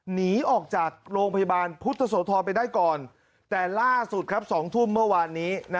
หนีออกจากโรงพยาบาลพุทธโสธรไปได้ก่อนแต่ล่าสุดครับ๒ทุ่มเมื่อวานนี้